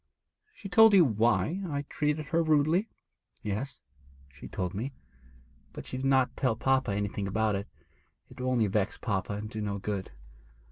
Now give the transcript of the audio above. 'She told you why I treated her rudely?' 'Yes, she told me, but she did not tell papa anything about it; it would only vex papa and do no good.